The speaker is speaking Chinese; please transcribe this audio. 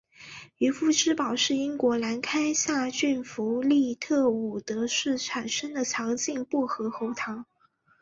渔夫之宝是英国兰开夏郡弗利特伍德市生产的强劲薄荷喉糖。